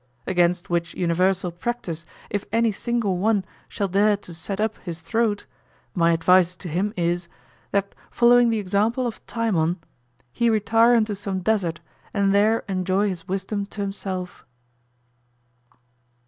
Against which universal practice if any single one shall dare to set up his throat, my advice to him is, that following the example of Timon, he retire into some desert and there enjoy his wisdom to himself.